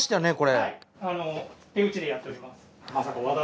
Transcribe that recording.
はい手打ちでやっております。